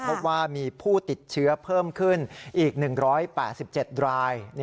พบว่ามีผู้ติดเชื้อเพิ่มขึ้นอีก๑๘๗ราย